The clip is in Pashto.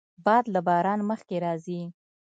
باد له باران مخکې راځي